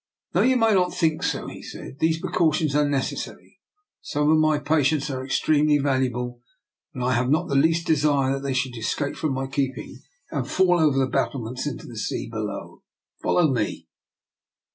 "Though you might not think so," he said, " these precautions are necessary. Some of my patients are extremely valuable, and I have not the least desire that they should escape from my keeping and fall over the bat tlements into the sea below. Follow me."